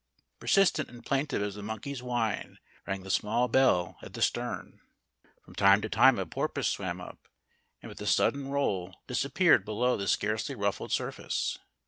Persistent and plaintive as the monkey's whine rang the small bell at the stern. From time to time a porpoise swam up, and with a sudden roll disappeared below the scarcely ruffled surface.